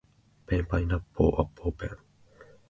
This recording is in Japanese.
ペンパイナッポーアッポーペン